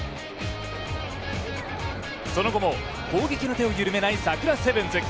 その後も攻撃の手を緩めないサクラセブンズ。